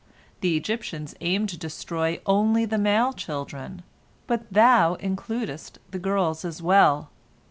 The Egyptians aim to destroy only the male children, but thou includest the girls as well.